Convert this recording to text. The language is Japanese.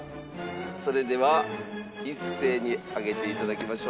それでは一斉に上げていただきましょう。